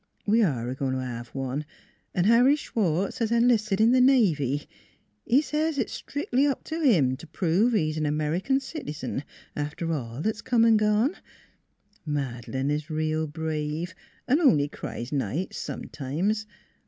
We are a going to have one, & Harry Schwartz has enlisted in the Navy. He says it is 370 NEIGHBORS 371 strictly up to him to prove he is an American citizen, after all thats come & gone. Madeleine is real brave & only cries nights, sometimes.